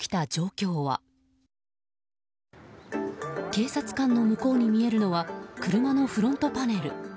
警察官の向こうに見えるのは車のフロントパネル。